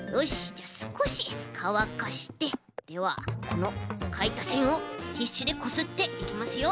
じゃあすこしかわかしてではこのかいたせんをティッシュでこすっていきますよ。